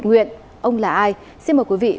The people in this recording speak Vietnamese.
rất là bất cập